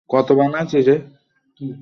তাড়াতাড়ি ঢাকার মতো কিছু নিয়ে আসো!